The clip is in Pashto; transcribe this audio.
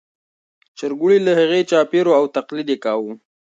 چرګوړي له هغې چاپېر وو او تقلید یې کاوه.